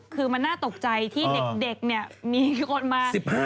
คือมันน่าตกใจที่เด็กเนี่ยมีคนมา๑๕